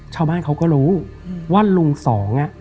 ชาวบ้านเขาก็รู้ว่าลุงสองอ่ะ